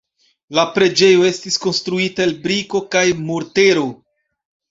La preĝejo estis konstruita el briko kaj mortero.